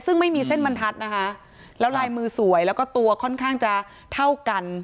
ซึ่งไม่มีเส้นบรรทัศน์นะคะแล้วลายมือสวยแล้วก็ตัวค่อนข้างจะเท่ากัน